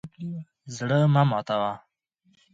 زړه مه ماتوه.